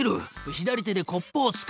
左手でコップをつかむ！